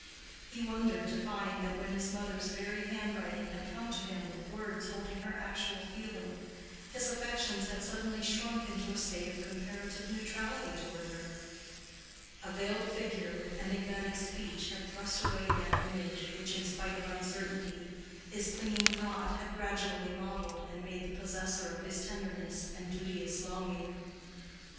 He wondered to find that when this mother's very handwriting had come to him with words holding her actual feeling, his affections had suddenly shrunk into a state of comparative neutrality toward her. A veiled figure with enigmatic speech had thrust away that image which, in spite of uncertainty, his clinging thought had gradually modeled and made the possessor of his tenderness and duteous longing.